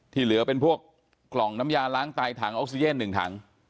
ที่เหลือเป็นกล่องน้ำยาล้างไตทางออกเซียนน่ึงถัง